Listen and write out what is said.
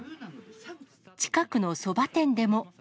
近くのそば店でも。